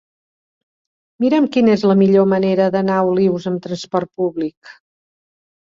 Mira'm quina és la millor manera d'anar a Olius amb trasport públic.